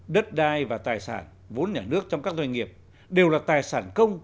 đất đai và tài sản vốn nhà nước trong các doanh nghiệp đều là tài sản công